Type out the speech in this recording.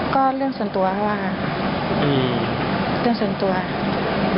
ก็เรื่องส่วนตัวครูอ่ะครับ